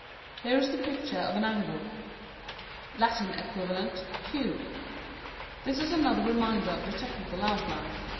Here is the picture of an angle: Latin equivalent, Q. This is another reminder of the technical outline.